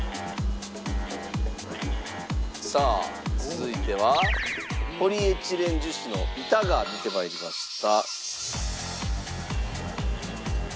さあ続いてはポリエチレン樹脂の板が出て参りました。